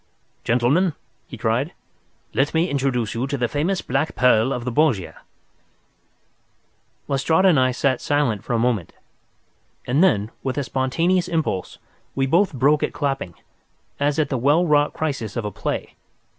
"Gentlemen," he cried, "let me introduce you to the famous black pearl of the Borgias." Lestrade and I sat silent for a moment, and then, with a spontaneous impulse, we both broke at clapping, as at the well wrought crisis of a play.